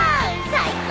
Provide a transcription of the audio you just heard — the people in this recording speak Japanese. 最高！